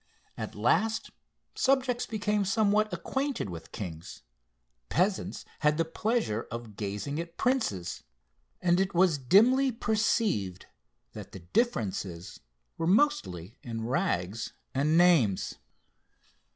At last, subjects became somewhat acquainted with kings peasants had the pleasure of gazing at princes, and it was dimly perceived that the differences were mostly in rags and names.